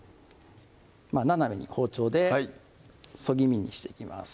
斜めに包丁でそぎ身にしていきます